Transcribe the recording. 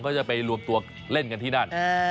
เขาจะไปรวมตัวเล่นกันที่นั่น